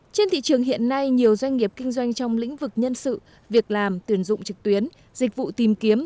trên thị trường hiện nay nhiều doanh nghiệp kinh doanh trong lĩnh vực nhân sự việc làm tuyển dụng trực tuyến dịch vụ tìm kiếm